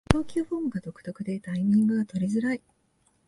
投球フォームが独特でタイミングが取りづらい